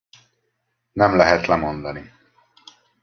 Nem lehet lemondani.